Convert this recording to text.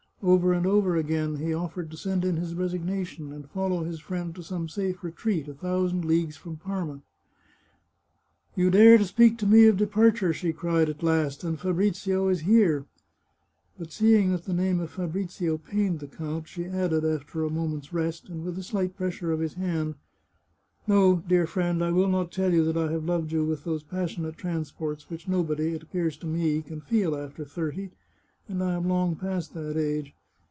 Over and over again he offered to send in his resignation, and follow his friend to some safe retreat a thousand leagues from Parma. " You dare to speak to me of departure," she cried at 300 The Chartreuse of Parma last, " and Fabrizio is here !" But seeing that the name of Fabrizio pained the count, she added, after a moment's rest, and with a sHght pressure of his hand :" No, dear friend, I will not tell you that I have loved you with those passionate transports which nobody, it appears to me, can feel after thirty, and I am long past that age.